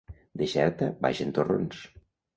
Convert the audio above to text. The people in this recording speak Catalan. De Xerta baixen torrons.